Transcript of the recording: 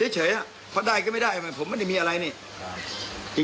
เฉยอ่ะเพราะได้ก็ไม่ได้มันผมไม่ได้มีอะไรนี่